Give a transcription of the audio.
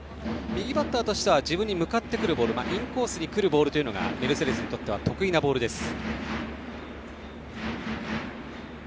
右バッターとしては自分に向かってくるボールインコースに来るボールがメルセデスにとっては得意なボールです。